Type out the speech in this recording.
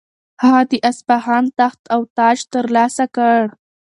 هغه د اصفهان تخت او تاج ترلاسه کړ.